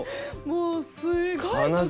もうすごい独特！